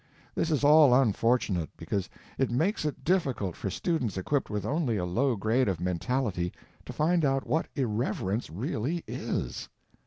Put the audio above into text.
This is all unfortunate, because it makes it difficult for students equipped with only a low grade of mentality to find out what Irreverence really is.